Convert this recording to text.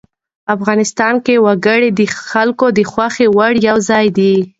افغانستان کې وګړي د خلکو د خوښې وړ یو ځای دی.